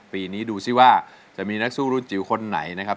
ปีนี้ดูสิว่าจะมีนักสู้รุ่นจิ๋วคนไหนนะครับ